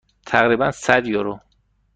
تقریبا صد یورو.